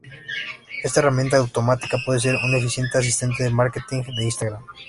Esta herramienta automática puede ser un eficiente asistente de marketing de Instagram.